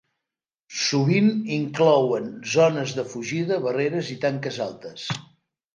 Sovint inclouen zones de fugida, barreres i tanques altes.